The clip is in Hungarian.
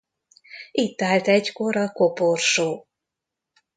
Itt állt egykor a koporsó.